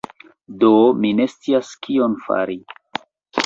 Do, mi ne scias kion fari...